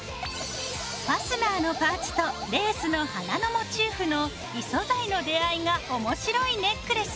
ファスナーのパーツとレースの花のモチーフの異素材の出会いが面白いネックレス。